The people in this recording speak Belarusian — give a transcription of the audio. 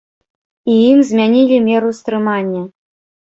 І ім змянілі меру стрымання.